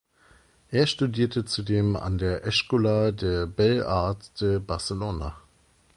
Er studierte zudem an der Escola de Belles Arts de Barcelona.